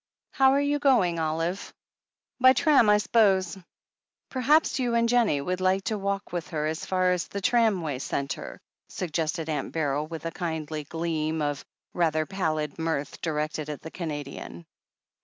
How are you going, Olive?" "By tram, I s'pose." "Perhaps you and Jennie would like to walk her as THE HEEL OF ACHILLES 433 far as the tramway centre?" suggested Aunt Beryl, with a kindly gleam of rather pallid mirth directed at the Canadian.